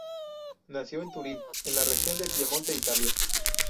Nació en Turín, en la región de Piamonte, Italia.